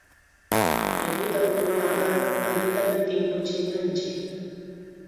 Yakuta upunapaqqa allitam timpuchinanchik.